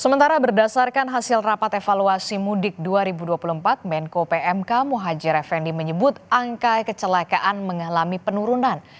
sementara berdasarkan hasil rapat evaluasi mudik dua ribu dua puluh empat menko pmk muhajir effendi menyebut angka kecelakaan mengalami penurunan